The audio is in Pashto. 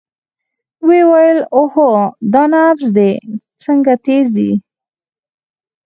ويې ويل اوهو دا نبض دې څنګه تېز دى.